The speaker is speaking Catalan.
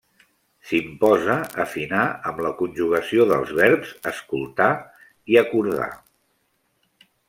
S’imposa afinar amb la conjugació dels verbs escoltar i acordar.